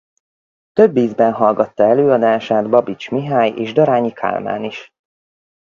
Több ízben hallgatta előadását Babits Mihály és Darányi Kálmán is.